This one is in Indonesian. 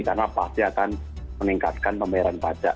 karena pasti akan meningkatkan pameran pajak